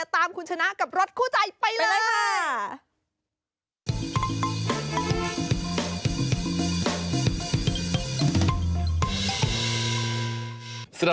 ตามคุณชนะกับรถคู่ใจไปเลยค่ะ